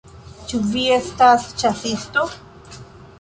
Ĉu vi estas ĉasisto?